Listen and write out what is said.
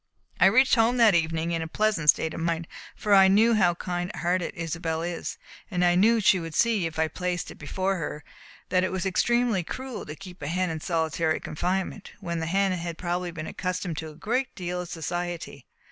I reached home that evening in a pleasant state of mind, for I knew how kind hearted Isobel is, and I knew she would see, if I placed it before her, that it was extremely cruel to keep a hen in solitary confinement, when the hen had probably been accustomed to a great deal of society.